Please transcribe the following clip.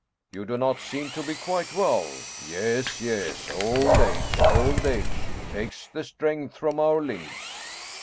" You do not seem to be quite well. Yes, yes, old age, old age ! It takes the strength from our limbs."